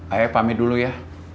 ayah pamit dulu ya